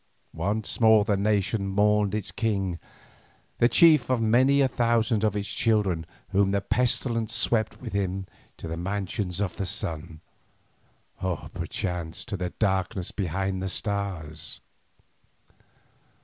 Once more the nation mourned its king, the chief of many a thousand of its children whom the pestilence swept with him to the "Mansions of the Sun," or perchance to the "darkness behind the Stars."